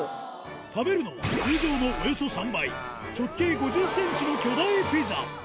食べるのは通常のおよそ３倍直径５０ｃｍの巨大ピザ用意スタート！